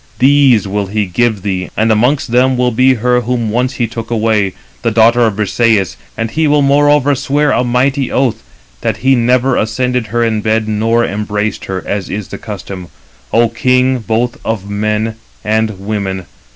These will he give thee, and amongst them will be her whom once he took away, the daughter of Briseïs; and he will moreover swear a mighty oath, that he never ascended her bed, nor embraced her, as is the custom. O king, both of men and women.